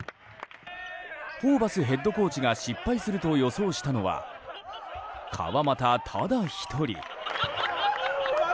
ホーバスヘッドコーチが失敗すると予想したのは川真田、ただ１人。